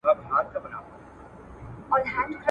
زه ریشتیا په عقل کم یمه نادان وم .